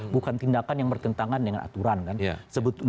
bukan tindakan yang bertentangan dengan aturan kan